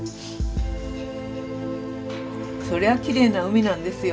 それはきれいな海なんですよ